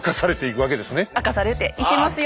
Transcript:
明かされていきますよ！